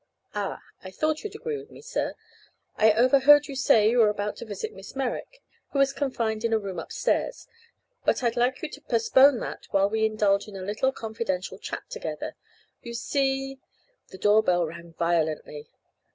Ah, I thought you'd agree with me, sir I overheard you say you were about to visit Miss Merrick, who is confined in a room upstairs, but I'd like you to postpone that while we indulge in a little confidential chat together. You see " The door bell rang violently.